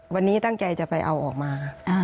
วันนี้ตั้งใจจะไปเอาออกมา